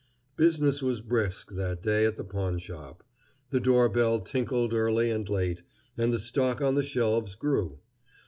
Business was brisk that day at the pawnshop. The door bell tinkled early and late, and the stock on the shelves grew.